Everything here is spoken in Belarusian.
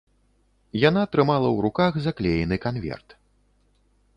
Яна трымала ў руках заклеены канверт.